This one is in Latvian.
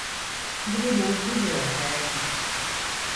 Gribu uz bibliotēku.